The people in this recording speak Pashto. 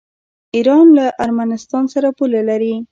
ایران له ارمنستان سره پوله لري.